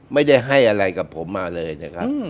ไม่ได้ให้อะไรกับผมมาเลยนะครับ